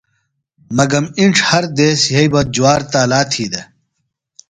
مگم اِنڇ ہر دیس یھئی بہ جُوار تالا تھی دےۡ۔